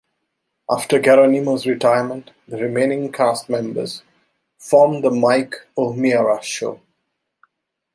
After Geronimo's retirement, the remaining cast members formed the Mike O'Meara Show.